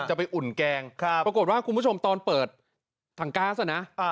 จะไปอุ่นแกงปรากฏว่าคุณผู้ชมตอนเปิดถังก๊าซอ่ะนะ